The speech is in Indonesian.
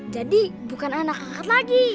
jadi bukan anak angkat lagi